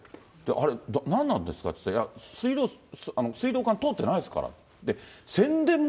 あれ、なんなんですかって言ったら、水道管通ってないですから。